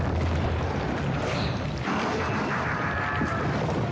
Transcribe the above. ああ！